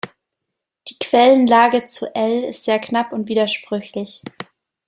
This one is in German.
Die Quellenlage zu Ælle ist sehr knapp und widersprüchlich.